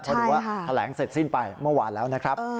เพราะถือว่าแถลงเสร็จสิ้นไปเมื่อวานแล้วนะครับ